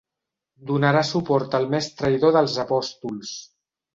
Donarà suport al més traïdor dels Apòstols.